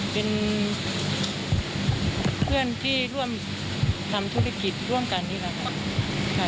เป็นเพื่อนที่ร่วมทำธุรกิจร่วมกันนี่แหละค่ะ